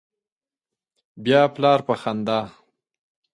بیا پلار په خندا